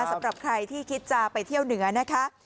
สำหรับใครที่คิดจะไปเที่ยวเหนือนะคะ